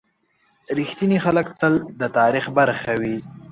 • رښتیني خلک تل د تاریخ برخه وي.